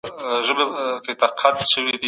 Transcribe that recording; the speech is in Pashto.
د خپلي خوښې موضوع انتخاب کړئ.